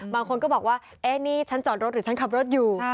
บางคนก็บอกว่าเอ๊ะนี่ฉันจอดรถหรือฉันขับรถอยู่